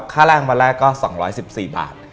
ค่าแรงวันแรกก็๒๑๔บาท